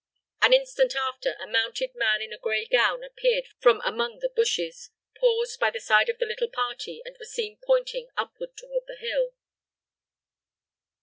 An instant after, a mounted man in a gray gown appeared from among the bushes, paused by the side of the little party, and was seen pointing upward toward the hill.